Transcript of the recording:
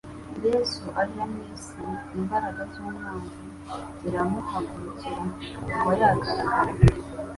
Yesu aje mu isi, imbaraga z'umwanzi ziramuhagurukira. Kuva yagaragara.